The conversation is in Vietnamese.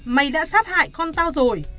mày đã sát hại con tao rồi